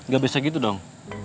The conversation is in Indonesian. gak bisa gitu dong